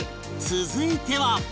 続いては